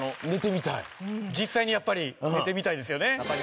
実際にやっぱり寝てみたいですよね。